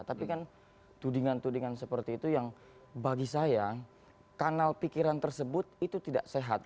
tapi kan tudingan tudingan seperti itu yang bagi saya kanal pikiran tersebut itu tidak sehat